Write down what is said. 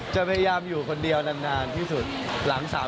จะพยายามอยู่คนเดียวนานที่สุดหลัง๓๐คือว่ากัน